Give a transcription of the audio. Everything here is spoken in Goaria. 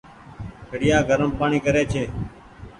گھڙيآ گرم پآڻيٚ ڪري ڇي۔